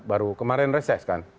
baru kemarin reses kan